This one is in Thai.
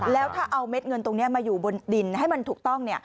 แล้วถ้าเอาเม็ดเงินตรงนี้มาอยู่บนดินให้มันถูกต้อง